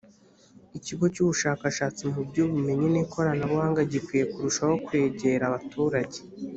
ikigo cy ubushakashatsi mu by ubumenyi n ikoranabuhanga gikwiye kurushaho kwegera abaturage